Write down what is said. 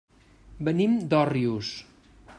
Venim d'Òrrius.